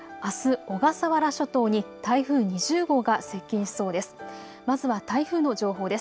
あす小笠原諸島に台風２０号が接近しそうです。